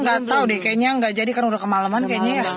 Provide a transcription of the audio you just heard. nggak tahu deh kayaknya nggak jadi karena udah kemalaman kayaknya ya